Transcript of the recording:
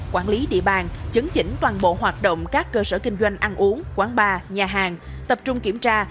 quản lý địa bàn chứng chỉnh toàn bộ hoạt động các cơ sở kinh doanh ăn uống quán bar nhà hàng tập trung kiểm tra